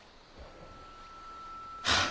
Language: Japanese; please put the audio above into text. はあ。